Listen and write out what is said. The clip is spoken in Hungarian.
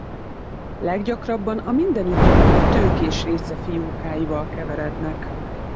Leggyakrabban a mindenütt gyakori tőkés réce fiókáival keverednek.